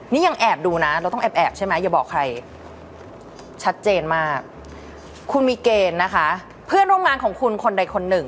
นี่ยังแอบดูนะเราต้องแอบใช่ไหมอย่าบอกใครชัดเจนมากคุณมีเกณฑ์นะคะเพื่อนร่วมงานของคุณคนใดคนหนึ่ง